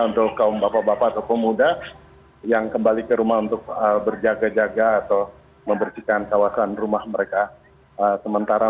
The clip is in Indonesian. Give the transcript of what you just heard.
untuk para pengusaha